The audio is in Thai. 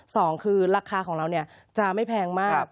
สองคือราคาของเราเนี่ยจะไม่แพงมาก